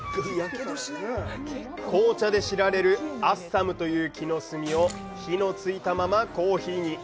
紅茶で知られるアッサムという木の炭を火のついたままコーヒーに。